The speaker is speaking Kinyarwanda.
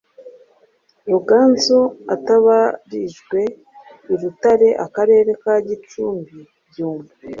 Ruganzu atabarijweI Rutare Akarere ka Gicumbi Byumba